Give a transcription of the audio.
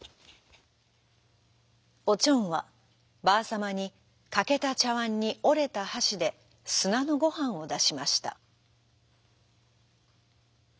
おちょんはばあさまにかけたちゃわんにおれたはしですなのごはんをだしました。